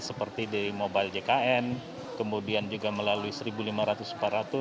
seperti di mobile jkn kemudian juga melalui rp satu lima ratus empat ratus